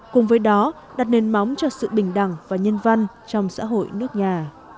cùng với đó đặt nền móng cho sự bình đẳng và nhân văn trong xã hội nước nhà